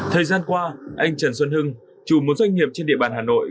thời gian qua anh trần xuân hưng chủ một doanh nghiệp trên địa bàn hà nội